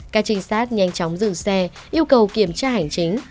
các trinh sát nhanh chóng dừng xe yêu cầu kiểm tra hành chính